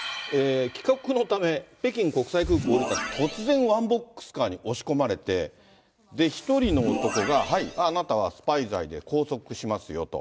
帰国のため、北京国際空港で突然、ワンボックスカーに押し込まれて、１人の男が、はい、あなたはスパイ罪で拘束しますよと。